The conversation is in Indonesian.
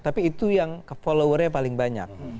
tapi itu yang followernya paling banyak